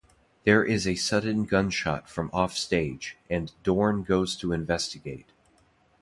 There is a sudden gunshot from off-stage, and Dorn goes to investigate.